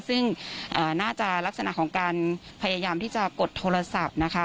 ซึ่งน่าจะลักษณะของการพยายามที่จะกดโทรศัพท์นะคะ